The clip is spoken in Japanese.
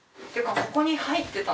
ここに入ってたの？